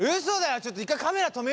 ちょっと一回カメラ止めようよ。